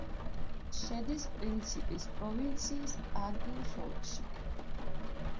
შედის პრინსიპის პროვინციის პაგუის ოლქში.